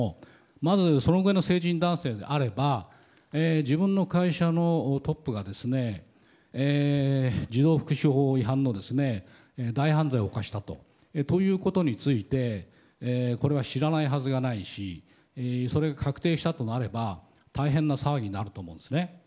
まず、そのぐらいの成人男性であれば自分の会社のトップが児童福祉法違反の大犯罪を犯したということについてこれは知らないはずがないしそれが確定したとなれば大変な騒ぎになると思うんですね。